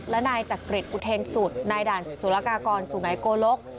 และนายจักริตอุทธิ์สุดในด่านศูนยากากรสูงไหนโกลก